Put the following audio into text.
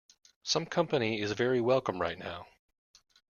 Some company is very welcome right now.